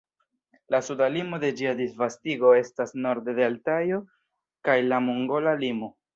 La suda limo de ĝia disvastigo estas norde de Altajo kaj la mongola limo.